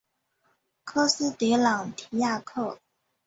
科斯的朗提亚克。